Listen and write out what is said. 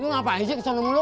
lu ngapain sih kesudung lo